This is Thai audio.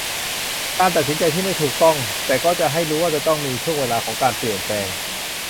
การตัดสินใจที่ไม่ถูกต้อง แต่ก็ให้รู้ว่าจะต้องมีช่วงเวลาของการเปลี่ยนแปลง